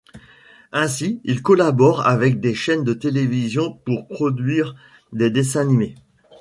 Ainsi il collabore avec des chaînes de télévision pour produire des dessins animés.